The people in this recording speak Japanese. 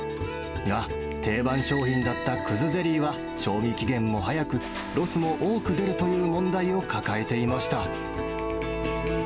が、定番商品だった葛ゼリーは、賞味期限も早く、ロスも多く出るという問題を抱えていました。